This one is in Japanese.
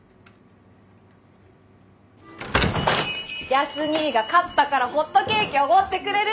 康にぃが勝ったからホットケーキおごってくれるって。